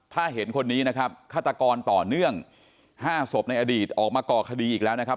ถ้าเห็นคนนี้นะครับฆาตกรต่อเนื่อง๕ศพในอดีตออกมาก่อคดีอีกแล้วนะครับ